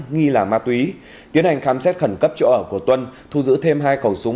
nghi là ma túy tiến hành khám xét khẩn cấp chỗ ở của tuân thu giữ thêm hai khẩu súng